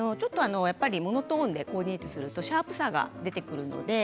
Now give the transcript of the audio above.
モノトーンでコーディネートするとシャープさが出てきます。